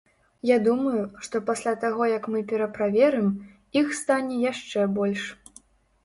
Я думаю, што пасля таго як мы пераправерым, іх стане яшчэ больш.